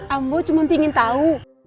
ambo cuman pengen tau